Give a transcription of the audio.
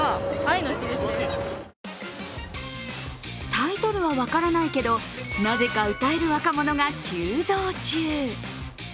タイトルは分からないけど、なぜか歌える若者が急増中。